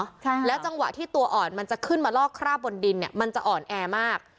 ใช่แล้วจังหวะที่ตัวอ่อนมันจะขึ้นมาลอกคราบบนดินเนี้ยมันจะอ่อนแอมาก